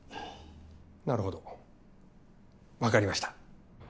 なるほどわかりました。